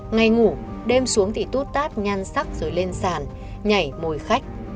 ngày ngủ đêm xuống thì tú tát nhan sắc rồi lên sàn nhảy mồi khách